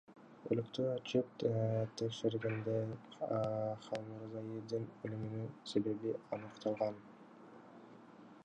Өлүктү ачып текшергенде Халмурзаевдин өлүмүнүн себеби аныкталган.